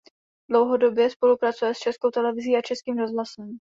Dlouhodobě spolupracuje s Českou televizí a Českým rozhlasem.